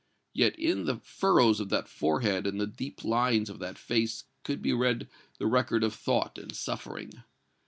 Yet in the furrows of that forehead and the deep lines of that face could be read the record of thought and suffering.